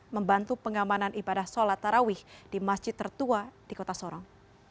membantu pengamanan ibadah sholat tarawih di masjid tertua di kota sorong